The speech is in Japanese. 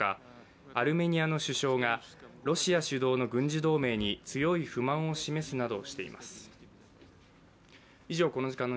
アルメニアの首相が、ロシア主導の軍事同盟に強い不満を示すなどしています。